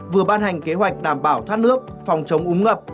vừa ban hành kế hoạch đảm bảo thoát nước phòng chống úng ngập